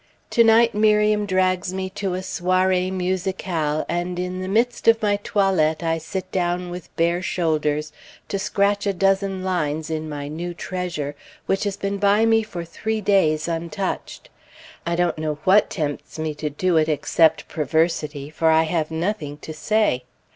To night Miriam drags me to a soiree musicale, and in the midst of my toilet, I sit down with bare shoulders to scratch a dozen lines in my new treasure which has been by me for three days, untouched. I don't know what tempts me to do it except perversity; for I have nothing to say.